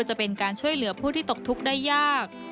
จะเป็นการช่วยเหลือผู้ที่ตกทุกข์ได้ยาก